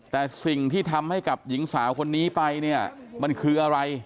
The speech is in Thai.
แต่สิ่งที่ทำให้กับหญิงสาวคนนี้ไปเนี่ยมันคืออะไร